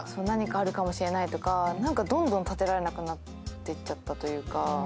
何かあるかもしれないとか何かどんどん立てられなくなってっちゃったというか。